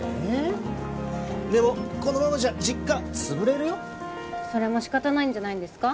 でもこのままじゃ実家潰れるよそれも仕方ないんじゃないんですか